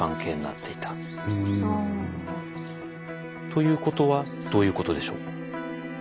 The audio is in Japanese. ということはどういうことでしょう？